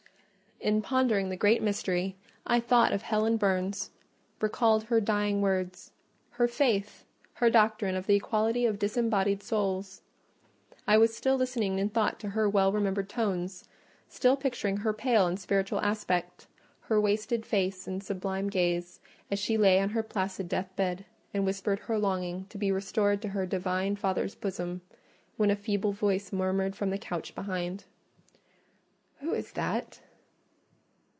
In pondering the great mystery, I thought of Helen Burns, recalled her dying words—her faith—her doctrine of the equality of disembodied souls. I was still listening in thought to her well remembered tones—still picturing her pale and spiritual aspect, her wasted face and sublime gaze, as she lay on her placid deathbed, and whispered her longing to be restored to her divine Father's bosom—when a feeble voice murmured from the couch behind: "Who is that?"